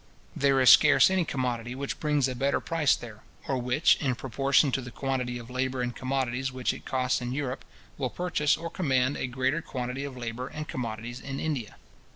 There is scarce any commodity which brings a better price there; or which, in proportion to the quantity of labour and commodities which it costs in Europe, will purchase or command a greater quantity of labour and commodities in India.